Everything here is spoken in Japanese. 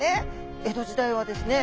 江戸時代はですね